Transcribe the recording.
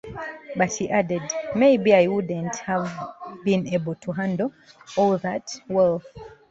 But he added: maybe I wouldn't have been able to handle all that wealth.